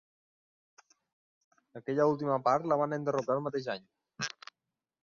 Aquella última part la van enderrocar el mateix any.